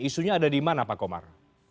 isunya ada di mana pak komar